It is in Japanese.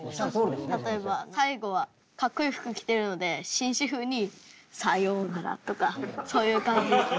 例えば最後はかっこいい服着てるので紳士風に「さようなら」とかそういう感じ。